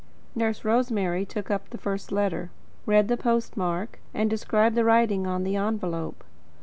Nurse Rosemary took up the first letter, read the postmark, and described the writing on the envelope.